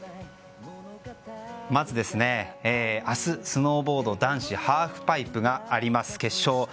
まず、明日スノーボード男子ハーフパイプ決勝があります。